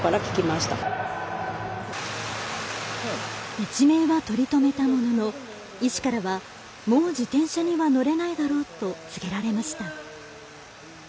一命はとりとめたものの医師からはもう自転車には乗れないだろうと告げられました。